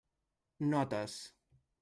Notes.